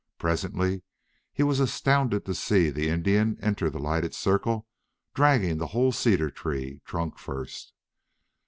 Presently he was astounded to see the Indian enter the lighted circle dragging the whole cedar tree, trunk first.